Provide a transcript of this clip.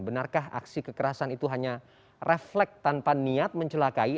benarkah aksi kekerasan itu hanya refleks tanpa niat mencelakai